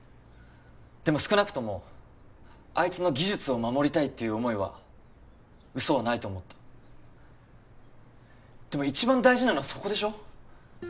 でも少なくともあいつの技術を守りたいっていう思いは嘘はないと思ったでも一番大事なのはそこでしょ？